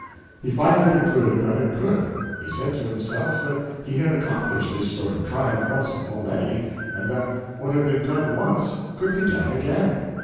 He finally concluded that it could. He said to himself that he had accomplished this sort of triumph once already, and that what had been done once could be done again.